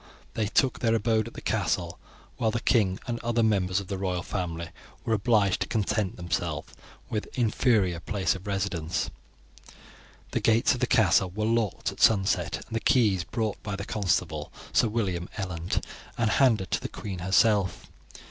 They took their abode at the castle, while the king and other members of the royal family were obliged to content themselves with an inferior place of residence. "The gates of the castle were locked at sunset, and the keys brought by the constable, Sir William Eland, and handed to the queen herself.